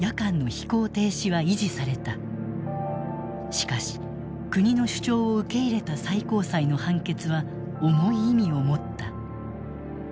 しかし国の主張を受け入れた最高裁の判決は重い意味を持った。